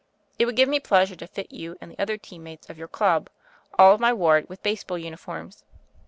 It would give me pleasure to fit you and the other team mates of your club, all of my ward, with baseball uni forms.